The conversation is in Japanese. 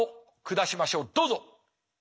どうぞ。